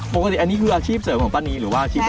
ปกติอันนี้คืออาชีพเสริมของป้านีหรือว่าอาชีพ